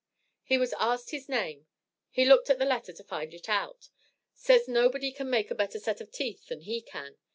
He was asked his name he looked at the letter to find it out. Says nobody can make a better set of teeth than he can.